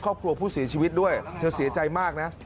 ครอบครัวผู้เสียชีวิตด้วยเธอเสียใจมากนะ